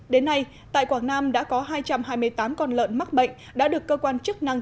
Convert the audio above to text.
đến nay tại quảng nam đã có hai trăm hai mươi tám con lợn mắc bệnh đã được cơ quan chức năng